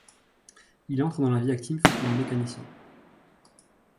Il entre dans la vie active comme mécanicien.